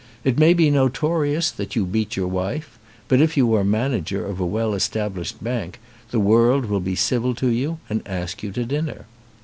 It may be notorious that you beat your wife, but if you are manager of a well established bank the world will be civil to you and ask you to dinner.